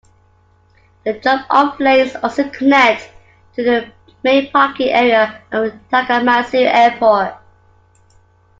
The drop off lanes also connect to the main parking area of Takamatsu Airport.